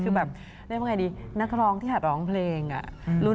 คือแบบเรียกว่าไงดีนักร้องที่หัดร้องเพลงอะ